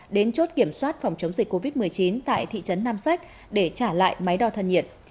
đến chốt kiểm soát phòng chống dịch covid một mươi chín tại thị trấn nam sách để trả lại máy đo thân nhiệt